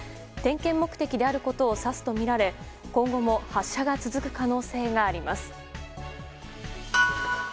点検目的であることを指すとみられ今後も発射が続く可能性があります。